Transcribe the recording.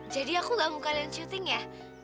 jadi aku gak mau ke kalian syuting ya